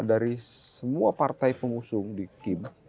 dari semua partai pengusung di kim